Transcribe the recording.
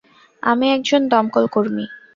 আমি একজন দমকল কর্মী।